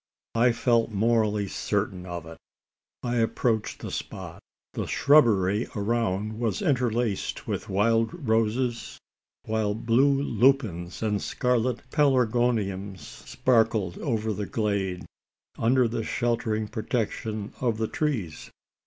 I felt morally certain of it. I approached the spot. The shrubbery around was interlaced with wild roses; while blue lupins and scarlet pelargoniums sparkled over the glade, under the sheltering protection of the trees.